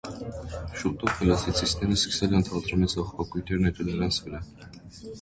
Շուտով կլասիցիստները սկսել են թատրոնից աղբակույտեր նետել նրանց վրա։